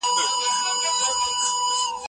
زه به سبزیجات وچولي وي